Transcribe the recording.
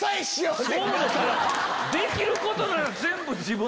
できることなら。